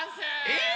えっ⁉